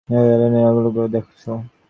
এখন ঐ অ্যালিয়েনগুলোকে দেখছ?